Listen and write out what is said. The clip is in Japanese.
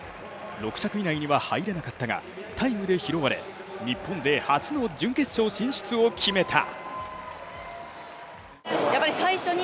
６着以内には入れなかったがタイムで拾われ日本勢初の準決勝進出を決めた。